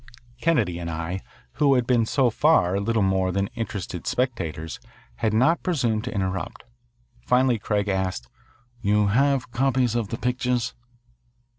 Kennedy and I, who had been so far little more than interested spectators, had not presumed to interrupt. Finally Craig asked, "You have copies of the pictures?"